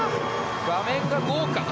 画面が豪華！